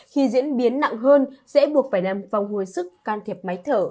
khi diễn biến nặng hơn sẽ buộc phải nằm vòng hồi sức can thiệp máy thở